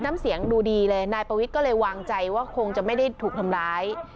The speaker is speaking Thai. น้ำเสียงดูดีเลยนายปวิทย์ก็เลยวางใจว่าคงจะไม่ได้ถูกทำร้าย